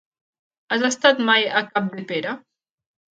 Has estat mai a Capdepera?